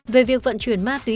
về việc vận chuyển ma tuyển